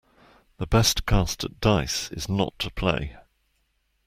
The best cast at dice is not to play.